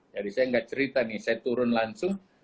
jadi saya gak cerita nih saya turun langsung